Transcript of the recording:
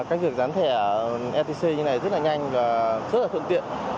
cách việc dán thẻ ftc như này rất là nhanh và rất là thượng tiện